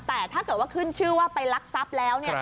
แต่ถ้าเกิดว่าขึ้นชื่อว่าไปลักทรัพย์แล้ว